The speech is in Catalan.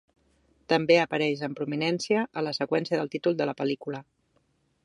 També apareix amb prominència a la seqüència del títol de la pel·lícula.